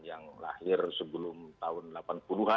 yang lahir sebelum tahun delapan puluh an gitu ya